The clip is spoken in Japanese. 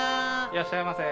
いらっしゃいませ。